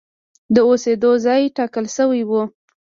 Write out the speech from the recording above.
د اوسېدو ځای ټاکل شوی و.